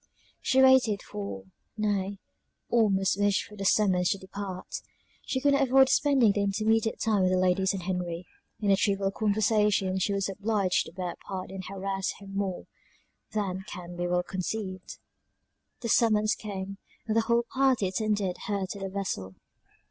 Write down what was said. She waited for, nay, almost wished for the summons to depart. She could not avoid spending the intermediate time with the ladies and Henry; and the trivial conversations she was obliged to bear a part in harassed her more than can be well conceived. The summons came, and the whole party attended her to the vessel.